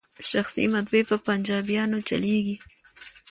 شخصي مطبعې په پنجابیانو چلیږي.